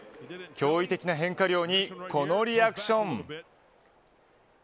驚異的な変化量にこのリアクション。